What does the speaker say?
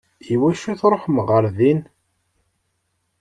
I wacu i tṛuḥem ɣer din?